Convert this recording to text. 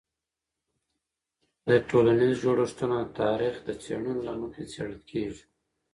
د ټولنیز جوړښتونه د تاریخ د څیړنو له مخې څیړل کېږي.